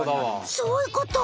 そういうこと！